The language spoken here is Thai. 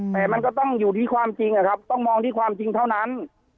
แต่มันก็ต้องอยู่ที่ความจริงอะครับต้องมองที่ความจริงเท่านั้น